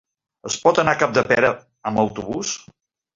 Es pot anar a Capdepera amb autobús?